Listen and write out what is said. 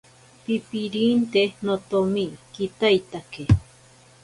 Pipirinte notomi kitaitake.